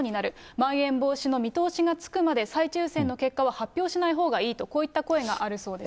まん延防止の見通しがつくまで再抽せんの結果は発表しないほうがいいと、こういった声があるそうです。